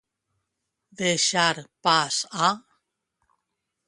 Deixar pas a.